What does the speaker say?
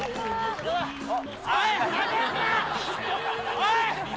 おい。